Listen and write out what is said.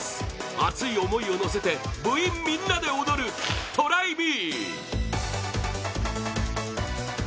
熱い思いを乗せて部員みんなで踊る「ＴＲＹＭＥ」